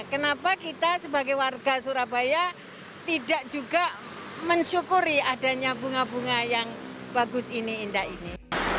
kenapa kita sebagai warga surabaya tidak juga mensyukuri adanya bunga bunga yang bagus ini indah ini